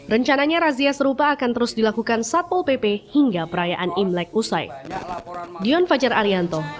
rencananya razia serupa akan terus dilakukan satpol pp hingga perayaan imlek usai